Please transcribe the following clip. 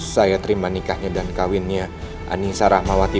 saya terima nikahnya dan kawinnya anissa rahmawati